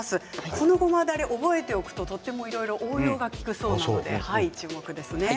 このごまだれ、覚えておくととても、いろいろ応用が利くそうなので注目ですね。